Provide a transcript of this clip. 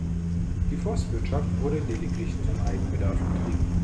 Die Forstwirtschaft wurde lediglich zum Eigenbedarf betrieben.